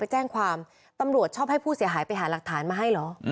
แจ้งความตำรวจชอบให้ผู้เสียหายไปหาหลักฐานมาให้เหรอ